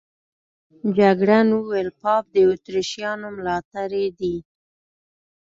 جګړن وویل پاپ د اتریشیانو ملاتړی دی.